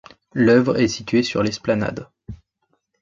L'œuvre est située sur l'esplanade.